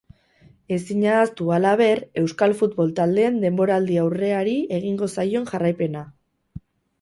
Ezin ahaztu, halaber, euskal futbol taldeen denboraldi-aurreari egingo zaion jarraipena.